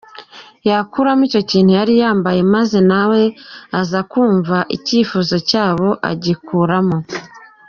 yakuramo icyo kintu yari yambaye maze nawe aza kumva icyifuzo cyabo agikuramo.